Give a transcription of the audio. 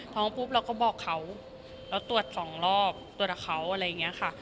ปุ๊บเราก็บอกเขาเราตรวจสองรอบตรวจกับเขาอะไรอย่างนี้ค่ะ